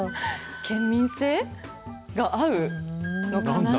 県民性が合うのかなぁ？